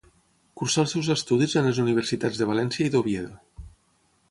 Cursà els seus estudis en les universitats de València i d'Oviedo.